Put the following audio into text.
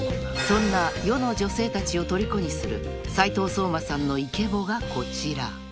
［そんな世の女性たちをとりこにする斉藤壮馬さんのイケボがこちら］